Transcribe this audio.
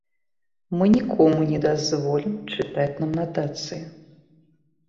Мы нікому не дазволім чытаць нам натацыі.